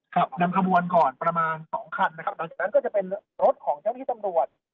ขับนำขบวนก่อนประมาณสองคันนะครับหลังจากนั้นก็จะเป็นรถของเจ้าหน้าที่ตำรวจ